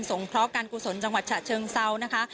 งเคราะห์การกุศลจังหวัดฉะเชิงเซานะคะ